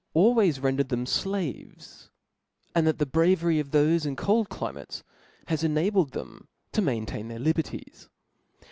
391 always rendered themflaves; and that the brareiy Bock of thofe in cold climai^ baa enabled them tOj^^ap/^ maintain thdr liberties.